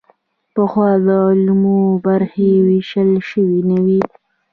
پخوا د علومو برخې ویشل شوې نه وې.